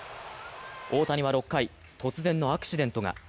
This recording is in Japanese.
大谷は６回、突然のアクシデントが。